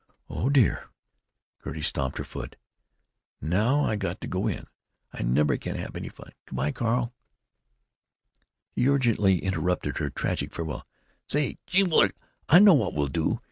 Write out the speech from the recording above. "Oh, dear!" Gertie stamped her foot. "Now I got to go in. I never can have any fun. Good by, Carl——" He urgently interrupted her tragic farewell. "Say! Gee whillikins! I know what we'll do.